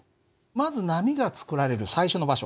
まず波が作られる最初の場所